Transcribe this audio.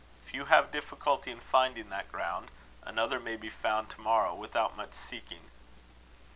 If you have difficulty in finding that ground, another may be found to morrow without much seeking."